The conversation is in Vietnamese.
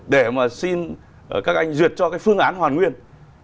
để mà xin các anh duyệt cho cái phương án hoàn nguyên